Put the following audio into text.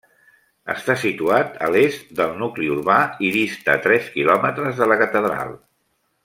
Està situat a l'est del nucli urbà i dista tres quilòmetres de la catedral.